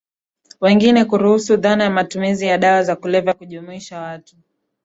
wengine kuruhusu dhana ya matumizi ya dawa za kulevya kujumuisha watu